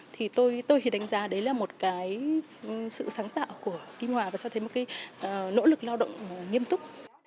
thì tôi khi đánh giá đấy là một cái sự sáng tạo của kim hòa và cho thấy một cái nỗ lực lao động nghiêm túc